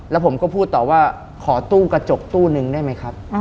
แล้วผมก็พูดต่อว่าขอตู้กระจกตู้นึงได้ไหมครับ